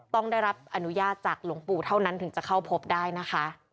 ต้องได้รับอนุญาตจากหลวงปู่เท่านั้นถึงจะเข้าพบได้นะคะ